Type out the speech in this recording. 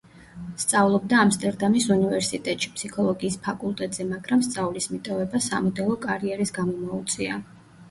სწავლობდა ამსტერდამის უნივერსიტეტში, ფსიქოლოგიის ფაკულტეტზე, მაგრამ სწავლის მიტოვება სამოდელო კარიერის გამო მოუწია.